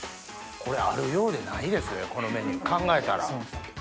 これあるようでないですねこのメニュー考えたら。